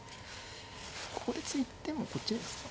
ここで突いてもこっちですか。